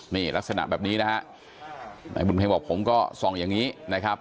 นี่ลักษณะแบบนี้นะฮะนายบุญเพลงบอกผมก็ส่องอย่างนี้นะครับ